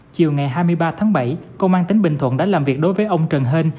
chiều ngày hai mươi ba tháng bảy công an tỉnh bình thuận đã làm việc đối với ông trần hên